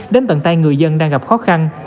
đến tận tay người dân đang gặp khó khăn